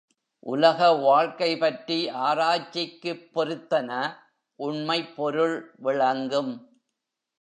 உலக வாழ்க்கை பற்றி ஆராய்ச்சிக்குப் பொருத்தன உண்மைப் பொருள் விளங்கும்.